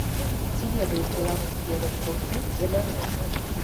Ці ведаюць беларускія рок-гурты за мяжой?